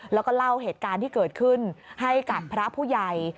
แล้วก็เล่าเหตุการณ์ที่เกิดขึ้นให้กับพระผู้ใหญ่